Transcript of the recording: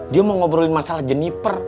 dia mau ngobrolin masalah jenniper